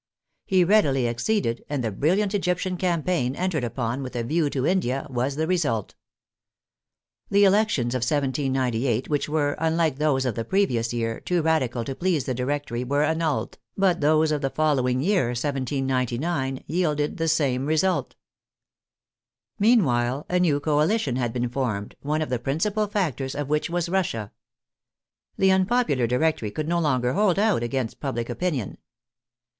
He readily acceded, and the brilliant Egyptian campaign entered upon with a view to India, was the result. The elections of 1798, which were, unlike those of the previous year, too radical to please the Directory were annulled, but those of the following year, 1799, yielded the same result. Meanwhile a new coalition had been formed, one of the principal factors of which was Russia. The unpopu lar Directory could no longer hold out against public opinion.